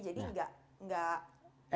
jadi nggak impang gitu